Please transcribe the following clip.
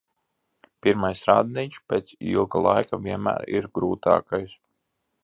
Pirmais randiņš pēc ilga laika vienmēr ir grūtākais.